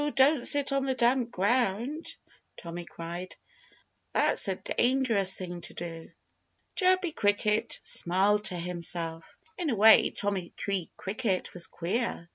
Don't sit on the damp ground!" Tommy cried. "That's a dangerous thing to do." Chirpy Cricket smiled to himself. In a way Tommy Tree Cricket was queer.